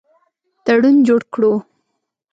تړون جوړ کړو.